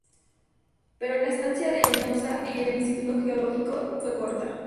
Pero la estancia de Nopcsa en el Instituto Geológico fue corta.